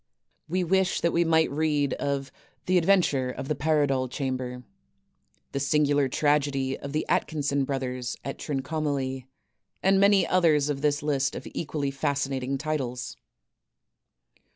We wish we might read of "The Adventure of the Paradol Chamber," "The Singular Tragedy of the Atkinson Brothers at Trincomalee," and many others of this list of equally fascinating titles: "r